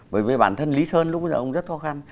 bởi vì bản thân lý sơn lúc bây giờ ông rất khó khăn